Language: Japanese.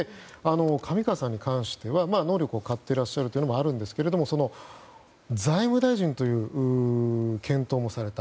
上川さんに関しては能力を買ってらっしゃるというのもあるんですけども財務大臣という検討もされた。